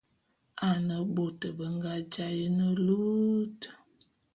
Ane bôt be nga jaé ne lut.